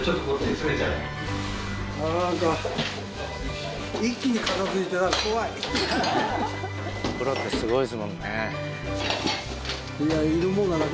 ああ何かプロってすごいですもんね。